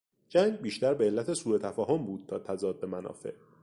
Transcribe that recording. جنگ بیشتر به علت سوتفاهم بود تا تضاد منافع